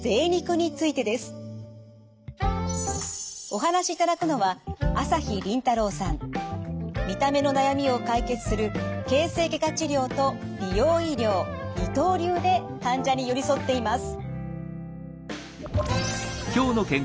お話しいただくのは見た目の悩みを解決する形成外科治療と美容医療二刀流で患者に寄り添っています。